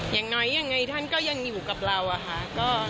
อย่างน้อยยังไงท่านก็ยังอยู่กับเราอะค่ะ